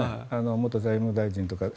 元財務大臣とか。